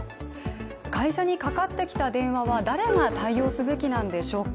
会社にかかってきた電話は誰が対応すべきなんでしょうか。